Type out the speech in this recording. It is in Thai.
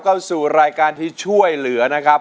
เข้าสู่รายการที่ช่วยเหลือนะครับ